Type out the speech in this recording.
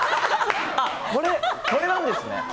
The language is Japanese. これなんですね。